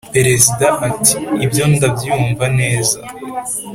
" perezida ati "ibyo ndabyumva neza,